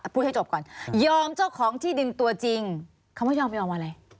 พูดให้จบก่อนยอมเจ้าของที่ดินตัวจริงคำว่ายอมยอมอะไร